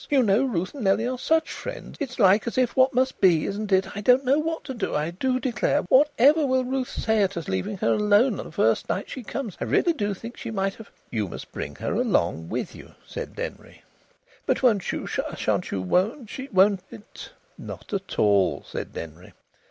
You know Ruth and Nellie are such friends. It's like as if what must be, isn't it? I don't know what to do, I do declare. What ever will Ruth say at us leaving her all alone the first night she comes? I really do think she might have " "You must bring her along with you," said Denry. "But won't you shan't you won't she won't it " "Not at all," said Denry.